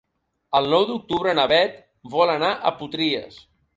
El nou d'octubre na Beth vol anar a Potries.